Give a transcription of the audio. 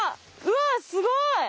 うわっすごい！